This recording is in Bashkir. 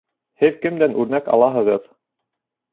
— Һеҙ кемдән үрнәк алаһығыҙ?